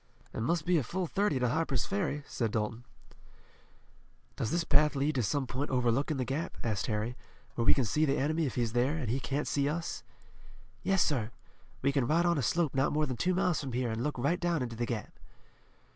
"And must be a full thirty to Harper's Ferry," said Dalton. "Does this path lead to some point overlooking the Gap," asked Harry, "where we can see the enemy if he's there, and he can't see us?" "Yes, sir. We can ride on a slope not more than two miles from here and look right down into the Gap."